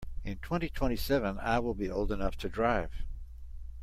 In twenty-twenty-seven I will old enough to drive.